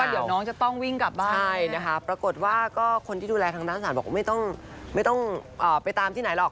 เดี๋ยวน้องจะต้องวิ่งกลับบ้านใช่นะคะปรากฏว่าก็คนที่ดูแลทางด้านศาลบอกไม่ต้องไปตามที่ไหนหรอก